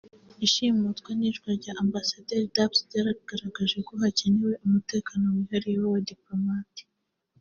Ishimutwa n’iyicwa rya Ambasaderi Dubs ryagaragaje ko hakenewe umutekano wihariye w’abadipolomate